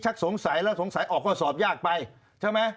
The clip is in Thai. สงสัยแล้วสงสัยออกข้อสอบยากไปใช่ไหม